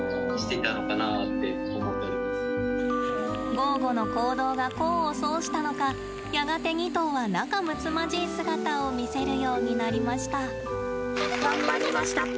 ゴーゴの行動が功を奏したのかやがて２頭は仲むつまじい姿を見せるようになりました。